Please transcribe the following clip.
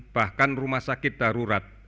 bahkan rumah sakit darurat